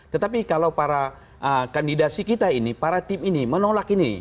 tetapi kalau para kandidasi kita ini para tim ini menolak ini